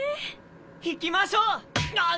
行きましょう！あっ。